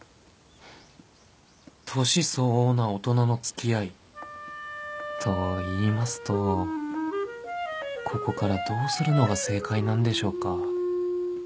年相応な大人の付き合いといいますとここからどうするのが正解なんでしょうか？